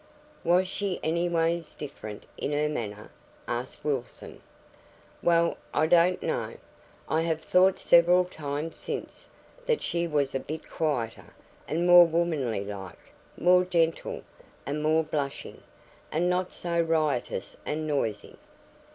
"Was she any ways different in her manner?" asked Wilson. "Well, I don't know. I have thought several times since, that she was a bit quieter, and more womanly like; more gentle, and more blushing, and not so riotous and noisy.